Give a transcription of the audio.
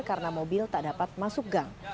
karena mobil tak dapat masuk gang